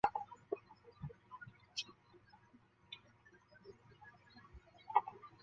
扎利曼农村居民点是俄罗斯联邦沃罗涅日州博古恰尔区所属的一个农村居民点。